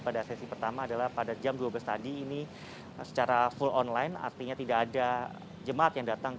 pada sesi pertama adalah pada jam dua belas tadi ini secara full online artinya tidak ada jemaat yang datang